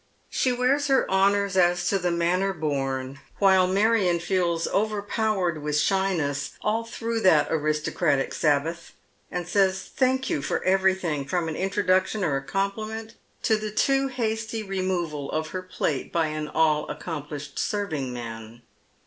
She wears her honours as to the juanner born, while Marion feels overpowered with shyness all through that aristocratic Sabbath ; and says " Thank you," for everything, from an introduction or a compliment, to the too hasty removal of her plate by an all accomplished serving man.